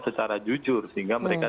secara jujur sehingga mereka